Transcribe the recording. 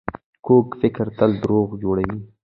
کوږ فکر تل دروغ جوړوي